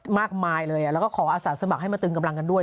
มากมายเลยแล้วก็ขออาสาสมัครให้มาตึงกำลังกันด้วย